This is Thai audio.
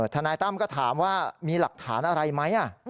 ทนายตั้มก็ถามว่ามีหลักฐานอะไรไหม